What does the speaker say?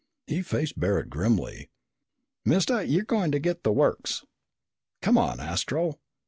He faced Barret grimly. "Mister, you're going to get the works! Come on, Astro!"